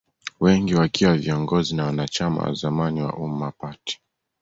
Wengi wakiwa viongozi na wanachama wa zamani wa Umma Party